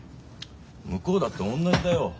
向こうだって同じだよ。